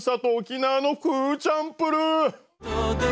沖縄のフーチャンプルー。